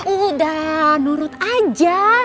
udah nurut aja